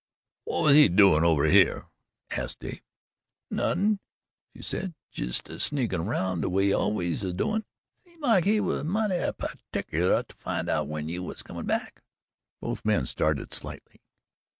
"Whut was he doin' over hyeh?" asked Dave. "Nothin'," she said, "jus' a sneakin' aroun' the way he's al'ays a doin'. Seemed like he was mighty pertickuler to find out when you was comin' back." Both men started slightly.